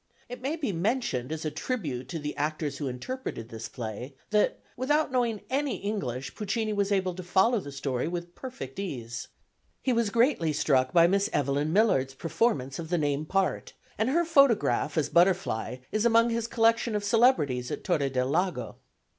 It may be mentioned as a tribute to the actors who interpreted this play, that without knowing any English Puccini was able to follow the story with perfect ease. He was greatly struck by Miss Evelyn Millard's performance of the name part, and her photograph as Butterfly is among his collection of celebrities at Torre del Lago.